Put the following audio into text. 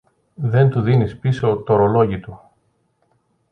δεν του δίνεις πίσω τ' ωρολόγι του